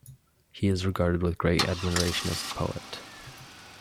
He is regarded with great admiration as a poet.